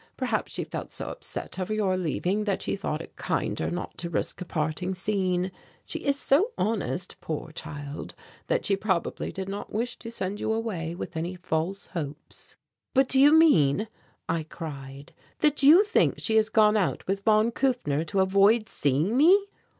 Perhaps she felt so upset over your leaving that she thought it kinder not to risk a parting scene. She is so honest, poor child, that she probably did not wish to send you away with any false hopes." "But do you mean," I cried, "that you think she has gone out with von Kufner to avoid seeing me?"